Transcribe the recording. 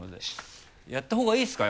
やった方がいいですか？